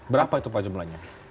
berapa itu pak jumlahnya